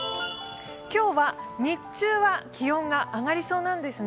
今日は日中は気温が上がりそうなんですね。